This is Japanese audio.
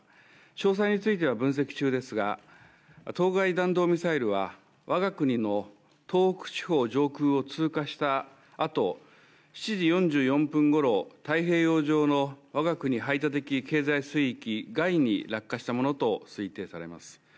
詳細については分析中ですが、当該弾道ミサイルは我が国の東北地方上空を通過した後、７時４４分頃、太平洋上の我が国の排他的経済水域外に落下したものと推定されます。